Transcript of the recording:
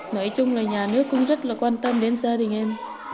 nói chung là nhà nước cũng rất là quan tâm đến gia đình em